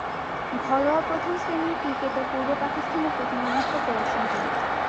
ঘরোয়া প্রথম-শ্রেণীর ক্রিকেটে পূর্ব পাকিস্তানের প্রতিনিধিত্ব করেছেন তিনি।